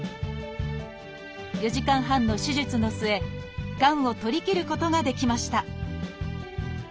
４時間半の手術の末がんを取り切ることができました。